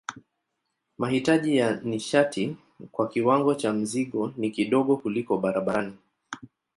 Mahitaji ya nishati kwa kiwango cha mzigo ni kidogo kuliko barabarani.